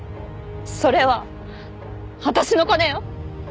それは私の金よ！